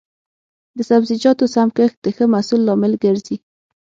د سبزیجاتو سم کښت د ښه محصول لامل ګرځي.